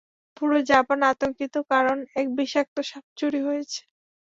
পুরো জাপান আতঙ্কিত কারণ এক বিষাক্ত সাপ চুরি হয়েছে।